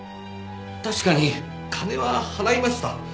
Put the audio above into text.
確かに金は払いました。